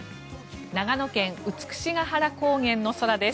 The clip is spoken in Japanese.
長野県・美ヶ原高原の空です。